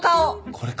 これか。